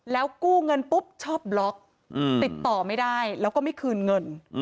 แล้วกู้เงินปุ๊บชอบบล็อกติดต่อไม่ได้แล้วก็ไม่คืนเงิน